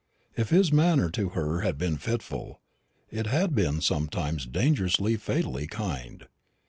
If his manner to her had been fitful, it had been sometimes dangerously, fatally kind.